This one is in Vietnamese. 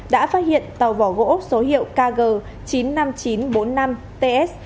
đã phát hiện tàu vỏ gỗ số hiệu kg chín mươi năm nghìn chín trăm bốn mươi năm ts